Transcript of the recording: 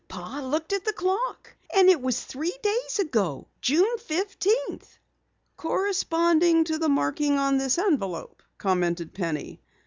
Pa looked at the clock. And it was three days ago, June fifteenth." "Corresponding to the marking on this envelope," commented Penny.